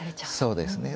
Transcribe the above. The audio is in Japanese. そうですね。